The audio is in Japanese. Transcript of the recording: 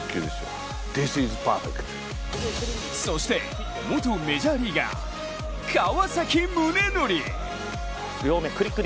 そして元メジャーリーガー川崎宗則。